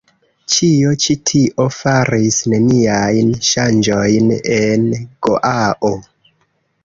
Ĉio ĉi tio faris neniajn ŝanĝojn en Goao.